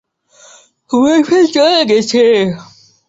Boyfriend চলে গেছে?